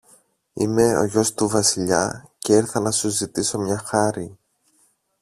είμαι ο γιος του Βασιλιά και ήρθα να σου ζητήσω μια χάρη.